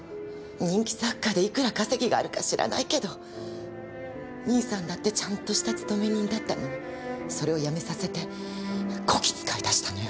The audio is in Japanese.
人気作家でいくら稼ぎがあるか知らないけど兄さんだってちゃんとした勤め人だったのにそれを辞めさせてこき使いだしたのよ。